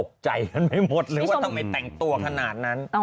เครื่องที่ปลาด่